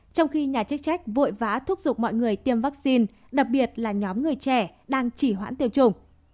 trong khi nhà chức trách vội vã thúc giục mọi người tiêm vaccine đặc biệt là nhóm người trẻ đang chỉ hoãn tiêm chủng